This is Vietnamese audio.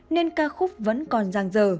nên ca khúc vẫn còn giang dở